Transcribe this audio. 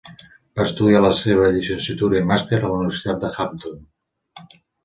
Va estudiar la seva llicenciatura i màster a la Universitat de Hampton.